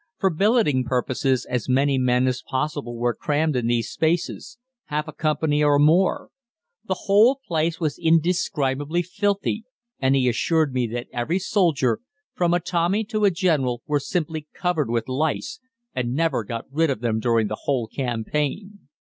For billeting purposes as many men as possible were crammed in these places half a company or more. The whole place was indescribably filthy, and he assured me that every soldier, from a Tommy to a general, was simply covered with lice, and never got rid of them during the whole campaign.